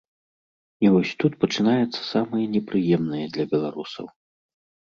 І вось тут пачынаецца самае непрыемнае для беларусаў.